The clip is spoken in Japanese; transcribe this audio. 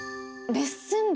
レッスン料？